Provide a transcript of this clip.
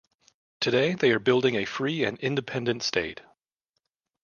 Today, they are building a free and independent state.